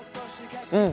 うん！